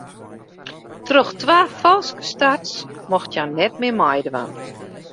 Troch twa falske starts mocht hja net mear meidwaan.